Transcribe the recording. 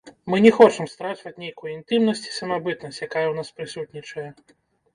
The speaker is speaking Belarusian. Мы не хочам страчваць нейкую інтымнасць і самабытнасць, якая ў нас прысутнічае.